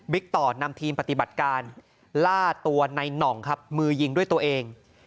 ต่อนำทีมปฏิบัติการล่าตัวในหน่องครับมือยิงด้วยตัวเอง